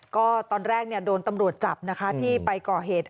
ก็ตอนแรกโดนตำรวจจับนะคะที่ไปก่อเหตุ